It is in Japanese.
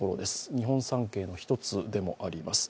日本三景の１つでもあります。